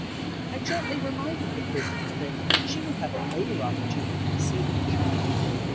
I gently reminded the Prisoner that she would have a later opportunity of seeing her child.